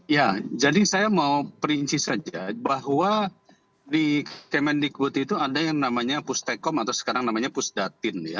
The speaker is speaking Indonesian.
ya jadi saya mau perinci saja bahwa di kemendikbud itu ada yang namanya pustekom atau sekarang namanya pusdatin ya